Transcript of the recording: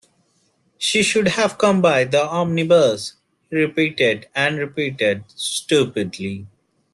"She should have come by the omnibus," he repeated and repeated stupidly.